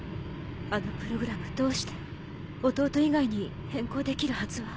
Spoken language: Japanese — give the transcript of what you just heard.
あのプログラムどうして弟以外に変更できるはずは。